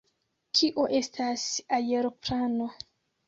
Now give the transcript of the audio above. Kio estas aeroplano?